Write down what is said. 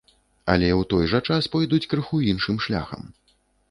Але ў той жа час пойдуць крыху іншым шляхам.